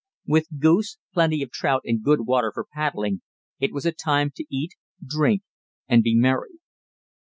With goose, plenty of trout and good water for paddling, it was a time to eat, drink, and be merry.